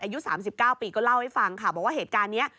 อายุสามสิบเก้าปีก็เล่าให้ฟังค่ะบอกว่าเหตุการณ์เนี้ย